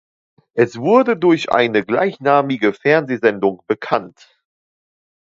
Es wurde durch eine gleichnamige Fernsehsendung bekannt.